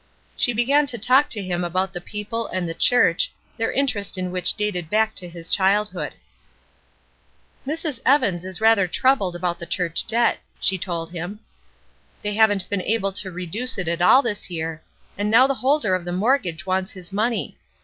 She began to talk to him about the people and the chm ch, their interest in which dated back to his childhood. "Mrs. Evans is rather troubled about the church debt," she told him. ''They haven't been able to reduce it at all this year, and now the holder of the mortgage wants his money.